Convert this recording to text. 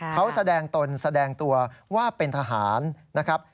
เขาแสดงตนแสดงตัวว่าเป็นทหารนะครับ